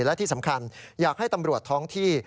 และที่สำคัญอยากให้ตำรวจท้องที่